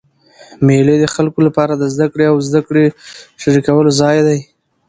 مېلې د خلکو له پاره د زدهکړي او زدهکړي شریکولو ځای دئ.